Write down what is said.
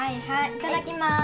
いただきまーす。